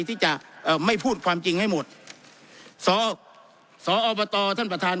ที่จะเอ่อไม่พูดความจริงให้หมดสอสอบตท่านประธาน